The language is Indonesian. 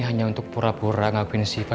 hanya untuk pura pura ngakuin siva